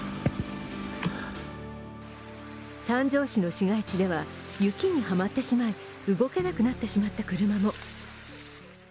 三条市の市街地では雪にはまってじまい動けなくなってしまった車も。